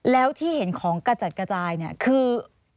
แล้วที่เห็นของกระจัดกระจายเนี่ยคือ